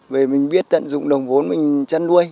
về mình biết tận dụng đồng vốn mình chăn nuôi